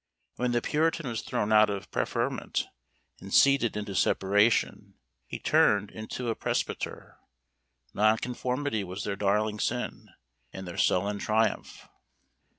And when the puritan was thrown out of preferment, and seceded into separation, he turned into a presbyter. Nonconformity was their darling sin, and their sullen triumph.